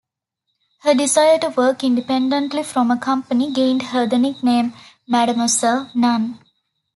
Her desire to work independently from a company gained her the nickname "Mademoiselle Non".